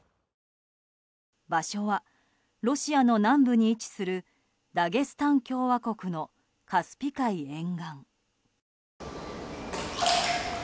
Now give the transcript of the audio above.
場所はロシアの南部に位置するダゲスタン共和国のカスピ海沿岸。